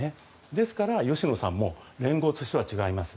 ですから、芳野さんも連合としては違います